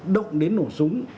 động đến nổ súng